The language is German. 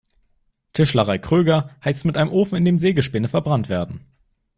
Tischlerei Kröger heizt mit einem Ofen, in dem Sägespäne verbrannt werden.